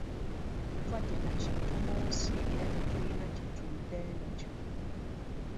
Tetwajja na kintu mu nsi era tetulina kye tuliddayo nakyo.